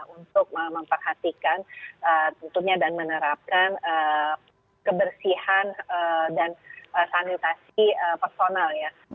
untuk memperhatikan tentunya dan menerapkan kebersihan dan sanitasi personal ya